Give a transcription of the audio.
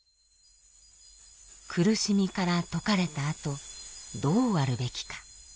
苦しみから解かれたあとどうあるべきか。